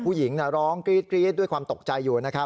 ผู้หญิงร้องกรี๊ดด้วยความตกใจอยู่นะครับ